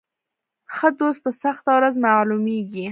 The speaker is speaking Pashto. ښه دوست په سخته ورځ معلومیږي.